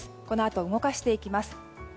このあと動かしていきます。